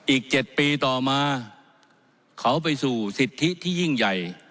อีก๗ปีต่อมาเขาไปสู่สิทธิที่ยิ่งใหญ่